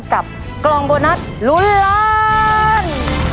กับกล่องโบนัสลุ้นล้าน